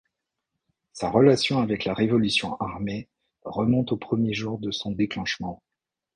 Sa relation avec la révolution armée remonte aux premiers jours de son déclenchement.